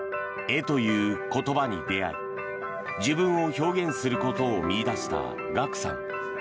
絵という言葉に出会い自分を表現することを見いだしたＧＡＫＵさん。